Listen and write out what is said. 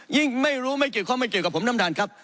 ไม่รู้ไม่เกี่ยวข้องไม่เกี่ยวกับผมท่านประธานครับ